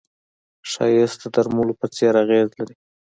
ښایست د درملو په څېر اغېز لري